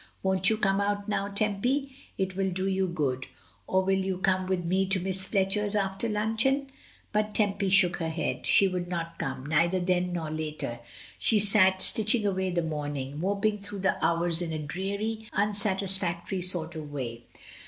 Won't you come out now, Tempy? It will do you good; or will you come with me to Miss Fletcher's after luncheon?" But Tempy shook her head. She would not come, neither then nor later. She sat stitching away the morning, moping through the hours in a dreary, unsatisfactory sort of way.